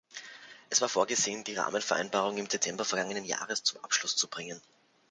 Es war vorgesehen, die Rahmenvereinbarung im Dezember vergangenen Jahres zum Abschluss zu bringen.